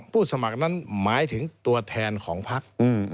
สมัครนั้นหมายถึงตัวแทนของพัก